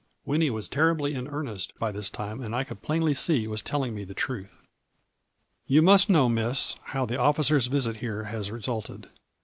" Winnie was terribly in earnest by this time and I could plainly see was telling me the truth. "'You must know, Miss, how the officer's visit here has resulted.